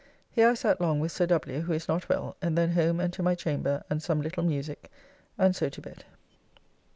Here I sat long with Sir W., who is not well, and then home and to my chamber, and some little, music, and so to bed.